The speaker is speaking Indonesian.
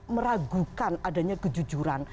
meragukan adanya kejujuran